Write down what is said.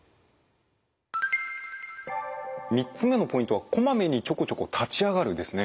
３つ目のポイントは「こまめにちょこちょこ立ち上がる」ですね。